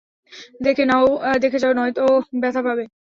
দেখে যাও, নয়তো ব্যথা পাবে।